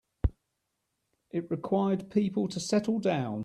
It required people to settle down.